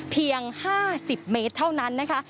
เพียง๕๐เมตรเท่านั้นนะคะ